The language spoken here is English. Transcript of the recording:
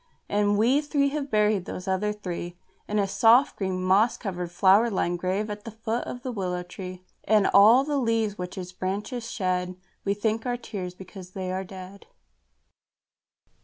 And we three have buried those other three In a soft, green, moss covered, flower lined grave at the foot of the willow tree. And all the leaves which its branches shed We think are tears because they are dead.